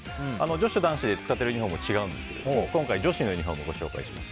女子、男子使ってるユニホーム違うんですけど今回、女子のユニホームをご紹介します。